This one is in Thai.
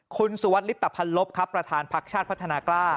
คุณสุวัสดิ์ฤตภัณฑ์ลบประธานภาคชาติพัฒนากล้า